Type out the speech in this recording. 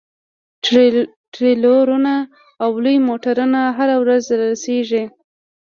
ټریلرونه او لوی موټرونه هره ورځ رارسیږي